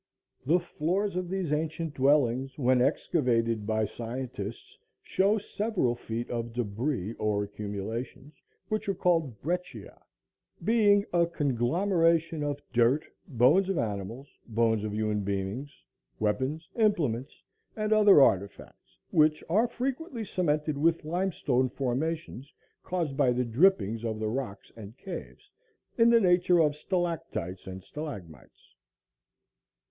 The floors of these ancient dwellings, when excavated by scientists, show several feet of debris or accumulations, which are called "brecchia," being a conglomeration of dirt, bones of animals, bones of human beings, weapons, implements and other artifacts, which are frequently cemented with limestone formations caused by the drippings of the rocks and caves, in the nature of stalactites and stalagmites.